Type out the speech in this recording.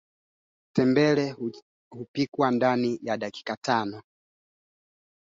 Nchini Uganda ambapo bei ya petroli imeongezeka kufikia dola kumi na nne kwa lita,